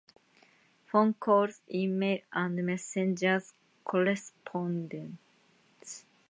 Phone calls, e-mail and messengers correspondence.